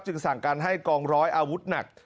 สั่งการให้กองร้อยอาวุธหนัก